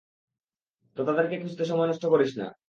তো, তাদেরকে খুজতে সময় নস্ট করিস না।